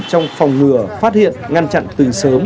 trong phòng ngừa phát hiện ngăn chặn từ sớm